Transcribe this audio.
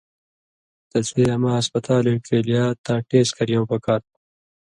تسے اما ہسپتالے ڇېلیا تاں ٹېس کریؤں پکار تُھو۔